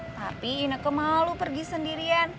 tapi ineke malu pergi sendirian